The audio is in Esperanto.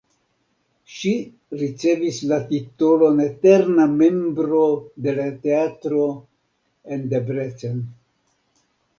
Ŝi ricevis la titolon eterna membro de la teatro en Debrecen.